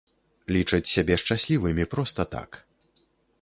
Лічаць сябе шчаслівымі проста так.